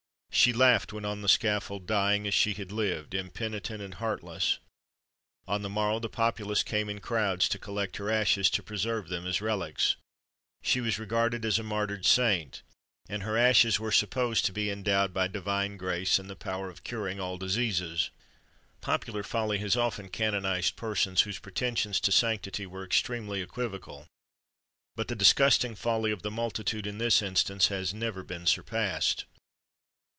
She laughed when on the scaffold, dying as she had lived, impenitent and heartless. On the morrow, the populace came in crowds to collect her ashes to preserve them as relics. She was regarded as a martyred saint, and her ashes were supposed to be endowed, by divine grace, with the power of curing all diseases. Popular folly has often canonised persons whose pretensions to sanctity were extremely equivocal; but the disgusting folly of the multitude, in this instance, has never been surpassed.